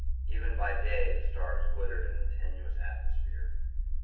Even by day, the stars glistened in the tenuous atmosphere.